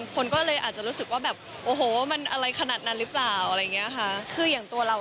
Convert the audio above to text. คนอาจจะรู้สึกว่ากับบ่นมันอะไรขนาดนั้นหรือเปล่า